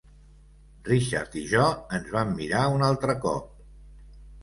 Richard i jo ens vam mirar un altre cop.